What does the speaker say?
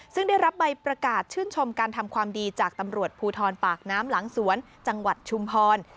ซึ่งได้รับใบประกาศชื่นชมการทำความดีจากตำรวจภูทรปากน้ำหลังสวนจังหวัดชุมพร